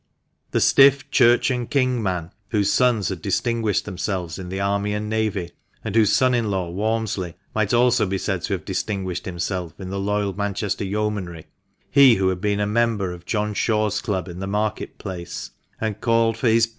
The stiff •' Church and King " man, whose sons had dis tinguished themselves in the Army and Navy, and whose son in law, Walmsley, might also be said to have distinguished himselt in the loyal Manchester Yeomanry — he who had been a member of John Shaw's Club in the Market Place, and called for his P.